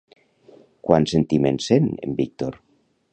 Quants sentiments sent en Víctor?